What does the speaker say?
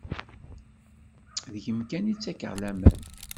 Deg-m kan i ttakeɣ laman.